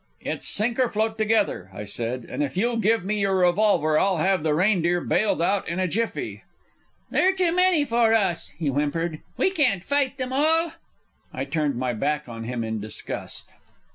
"It's sink or float together," I said. "And if you'll give me your revolver, I'll have the Reindeer bailed out in a jiffy." "They're too many for us," he whimpered. "We can't fight them all." I turned my back on him in disgust.